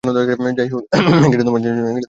যাই হোক, এটাই সত্য।